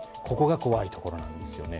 ここが怖いところなんです。